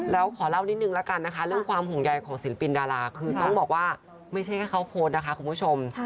แล้วขอเล่านิดนึงแล้วกันนะคะเรื่องความห่วงใยของศิลปินดาราคือต้องบอกว่าไม่ใช่แค่เขาโพสต์นะคะคุณผู้ชม